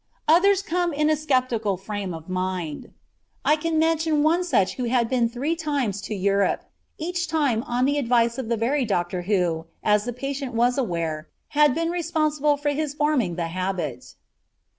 Others come in a skeptical frame of mind. I can mention one such who had been three times to Europe, each time on the advice of the very doctor who, as the patient was aware, had been responsible for his forming the habit.